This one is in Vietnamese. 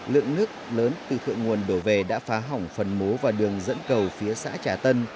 lượng nước lớn từ thượng nguồn đổ về đã phá hỏng phần mố và đường dẫn cầu phía xã trà tân